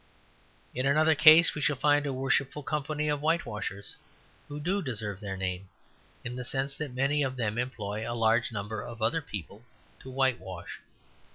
In another case we shall find a Worshipful Company of Whitewashers who do deserve their name, in the sense that many of them employ a large number of other people to whitewash.